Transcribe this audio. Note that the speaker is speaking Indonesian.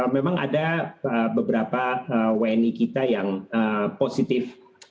memang ada beberapa wni kita yang positif